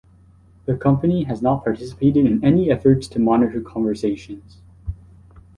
The company has not participated in any efforts to monitor conversations.